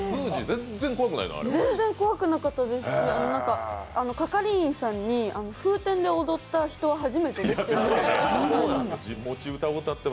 全然怖くなかったですし、係員さんに、風天で踊った人は初めてでって言われて。